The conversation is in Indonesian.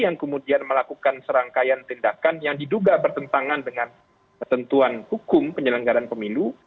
yang kemudian melakukan serangkaian tindakan yang diduga bertentangan dengan ketentuan hukum penyelenggaran pemilu